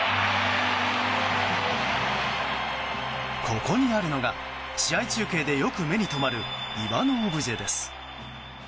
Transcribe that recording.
ここにあるのが試合中継でよく目に留まる岩のオブジェです。